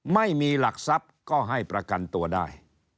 ไม่มีหลักทรัพย์ก็ให้ประกันตัวได้